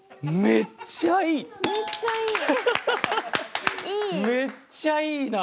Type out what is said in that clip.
めっちゃいいな！